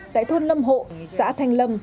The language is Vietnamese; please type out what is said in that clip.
tại thôn lâm hộ xã thanh lâm